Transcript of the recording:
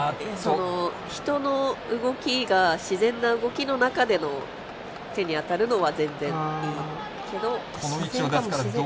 人の動きが自然な動きの中での手に当たるのは全然いいけど。